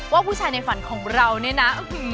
ว่าผู้ชายในฝันของเราเนี่ยนะ